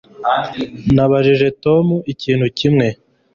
Nabajije Tom ikintu kimwe